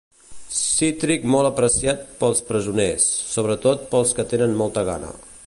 Cítric molt apreciat pels presoners, sobretot pels que tenen molta gana.